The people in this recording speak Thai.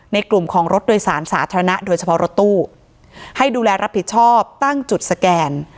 กลุ่มของรถโดยสารสาธารณะโดยเฉพาะรถตู้ให้ดูแลรับผิดชอบตั้งจุดสแกน